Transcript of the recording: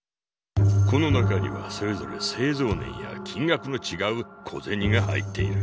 この中にはそれぞれ製造年や金額のちがう小銭が入っている。